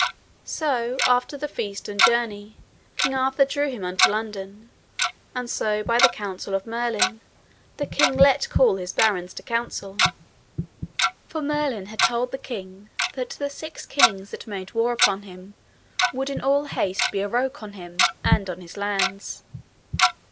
So after the feast and journey, King Arthur drew him unto London, and so by the counsel of Merlin, the king let call his barons to council, for Merlin had told the king that the six kings that made war upon him would in all haste be awroke on him and on his lands.